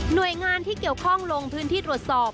โดยงานที่เกี่ยวข้องลงพื้นที่ตรวจสอบ